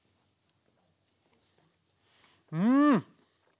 うん！